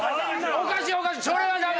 おかしいおかしい！